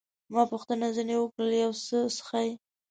ما پوښتنه ځیني وکړل، یو څه څښئ؟